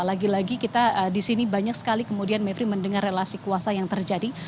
lagi lagi kita di sini banyak sekali kemudian mevri mendengar relasi kuasa yang terjadi